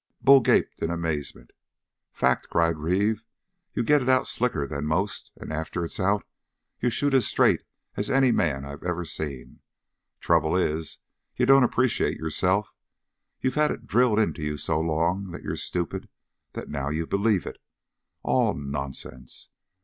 Bull gaped in amazement. "Fact!" cried Reeve. "You get it out slicker than most; and after it's out, you shoot as straight as any man I've ever seen. Trouble is, you don't appreciate yourself. You've had it drilled into you so long that you're stupid that now you believe it. All nonsense!